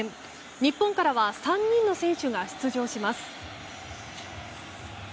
日本からは３人の選手が出場します。